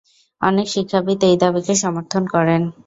অনেক শিক্ষাবিদ এই দাবীকে সমর্থন করেন।